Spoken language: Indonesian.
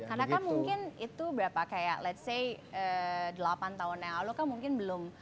karena kan mungkin itu berapa kayak let s say delapan tahun yang lalu kan mungkin belum